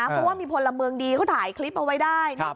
เพราะว่ามีพลเมืองดีเขาถ่ายคลิปเอาไว้ได้